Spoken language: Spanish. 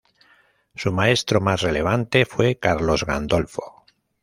Su maestro más relevante fue Carlos Gandolfo.